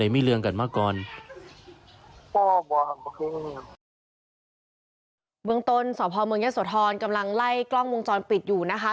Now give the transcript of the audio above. เมืองต้นสมยสวทรกำลังไล่กล้องวงจรปิดอยู่นะคะ